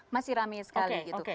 masih rame sekali gitu